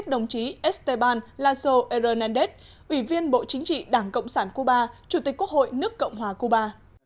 đồng chí esteban laso erenandez ủy viên bộ chính trị đảng cộng sản cuba chủ tịch quốc hội nước cộng hòa cuba